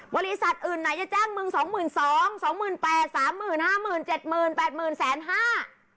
บริษัทอื่นไหนจะแจ้งมึงสองหมื่นสองสองหมื่นแปดสามหมื่นห้าหมื่นเจ็ดหมื่นแปดหมื่นแสนห้า